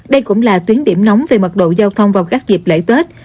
đây cũng là tuyến điểm nóng về mật độ giao thông vào các dịp lễ tết